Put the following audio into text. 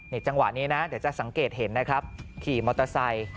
จังหวะนี้นะเดี๋ยวจะสังเกตเห็นนะครับขี่มอเตอร์ไซค์